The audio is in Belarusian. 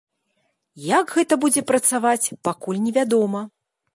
Як гэта будзе працаваць, пакуль невядома.